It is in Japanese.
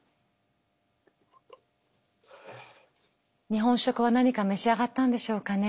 日本食は何か召し上がったんでしょうかね。